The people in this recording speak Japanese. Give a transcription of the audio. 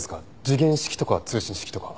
時限式とか通信式とか。